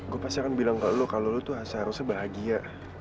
gue pasti akan bilang ke lo kalau lu tuh seharusnya bahagia